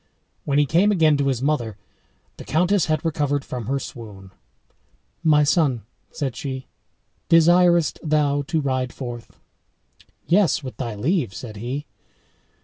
When he came again to his mother, the countess had recovered from her swoon. "My son," said she, "desirest thou to ride forth?" "Yes, with thy leave," said he.